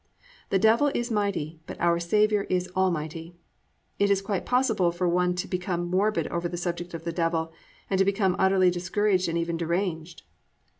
The Devil is mighty but our Saviour is almighty. It is quite possible for one to become morbid over this subject of the Devil, and to become utterly discouraged and even deranged.